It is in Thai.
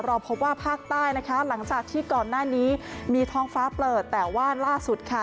เราพบว่าภาคใต้นะคะหลังจากที่ก่อนหน้านี้มีท้องฟ้าเปิดแต่ว่าล่าสุดค่ะ